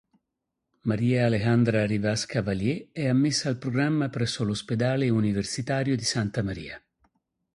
Maria Alejandra Rivas Cavalier è ammessa al programma presso l'Ospedale Universitario di Santa Maria.